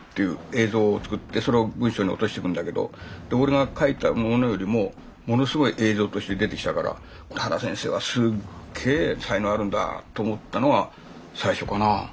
映像を作ってそれを文章に落としてくんだけど俺が書いたものよりもものすごい映像として出てきたから原先生はすっげえ才能あるんだと思ったのが最初かなあ。